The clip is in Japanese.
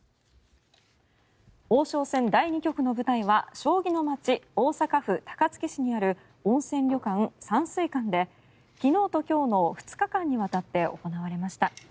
王将戦第２局の舞台は将棋の街、大阪府高槻市にある温泉旅館、山水館で昨日と今日の２日間にわたって行われました。